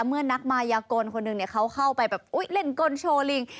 เมื่อนักมายากลคนหนึ่งเขาเข้าไปแบบเล่นกลโชว์ลิง